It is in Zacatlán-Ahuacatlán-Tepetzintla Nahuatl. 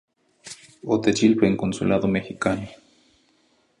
Otechilueh n consulado mexicano.